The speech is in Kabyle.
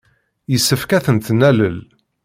Yessefk ad tent-nalel.